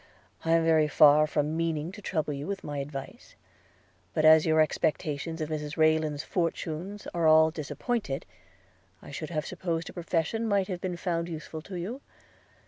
– I am very far from meaning to trouble you with my advice; but as your expectations of Mrs Rayland's fortune are all disappointed, I should have supposed a profession might have been found useful to you.